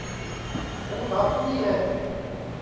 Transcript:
ہُوں دھاپوڑا ہے